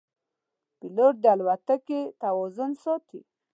پیلوټ د الوتکې توازن ساتي.